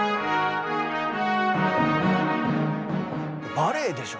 バレエでしょ？